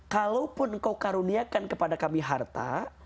kalaupun engkau karuniakan kepada kami harta